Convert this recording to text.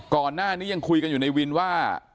ก่อนหน้านี้ยังคุยกันอยู่ในวินว่า